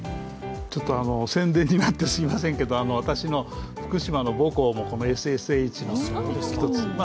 ちょっと宣伝になってすいませんけど、私の福島の母校もこのＳＳＨの１つなんです。